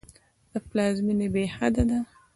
د پلار مینه بېحده ده.